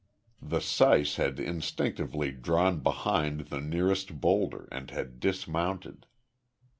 The syce had instinctively drawn behind the nearest boulder, and had dismounted.